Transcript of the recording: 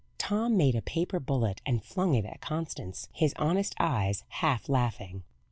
Tom made a paper bullet and flung it at Constance, his honest eyes half laughing.